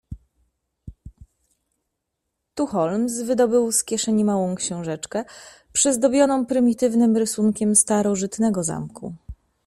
"Tu Holmes wydobył z kieszeni małą książeczkę, przyozdobioną prymitywnym rysunkiem starożytnego zamku."